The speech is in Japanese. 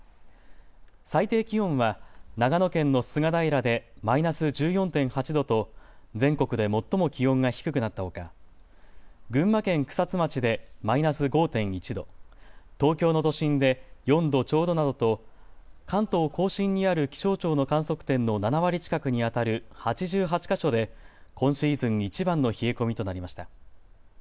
最低気温は長野県の菅平でマイナス１４．８度と全国で最も気温が低くなったほか群馬県草津町でマイナス５．１度、東京の都心で４度ちょうどなどと関東甲信にある気象庁の観測点の７割近くにあたる８８か所で今シーズンいちばんの冷え込みとなりました。